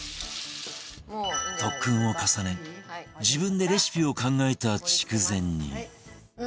特訓を重ね自分でレシピを考えた筑前煮